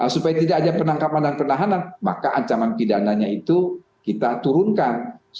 supaya tidak ada penangkapan dan penahanan maka ancaman pidananya itu kita turunkan